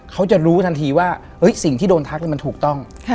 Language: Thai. เขาจะรู้ทันทีว่าสิ่งที่โดนทักมันถูกต้อง